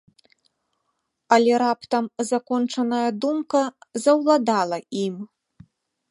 Але раптам закончаная думка заўладала ім.